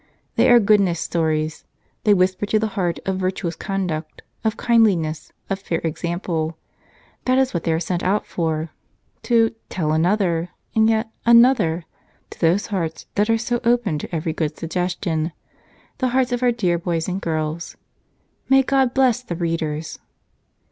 They are goodness stories. They whisper to the heart of virtuous conduct, of kindliness, of fair example. That is what they are sent out for : to "tell another" and yet "another" to those hearts that are so open to every good suggestion — the hearts of our dear boys and girls. May God bless the readers!